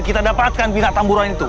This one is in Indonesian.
kita dapatkan bina tamburan itu